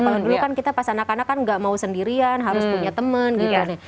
kalau dulu kan kita pas anak anak kan gak mau sendirian harus punya teman gitu